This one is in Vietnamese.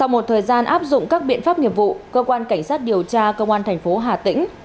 sau một thời gian áp dụng các biện pháp nghiệp vụ cơ quan cảnh sát điều tra công an thành phố hà tĩnh